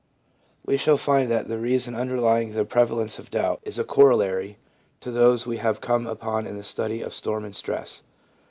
We shall find that the reason underlying the pre valence of doubt is a corollary to those we have come upon in the study of storm and stress.